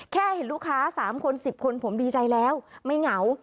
เห็นลูกค้า๓คน๑๐คนผมดีใจแล้วไม่เหงา